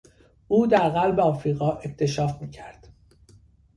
او در قلب آفریقا اکتشاف میکرد.